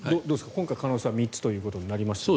今回、可能性は３つということになりますが。